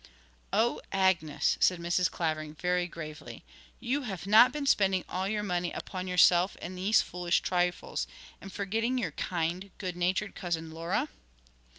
'Oh, Agnes,' said Mrs. Clavering very gravely, 'you have not been spending all your money upon yourself and these foolish trifles, and forgetting your kind, good natured cousin Laura?'